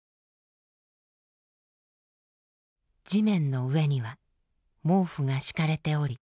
地面の上には毛布が敷かれており